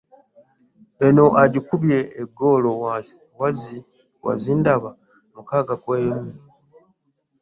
Eno egikubye eggoolo wazindaba mukaaga ku emu.